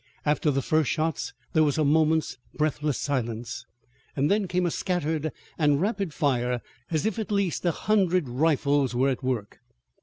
After the first shots there was a moment's breathless silence, and then came a scattered and rapid fire, as if at least a hundred rifles were at work.